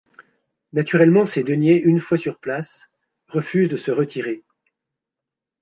Naturellement ces deniers une fois sur place refusent de se retirer.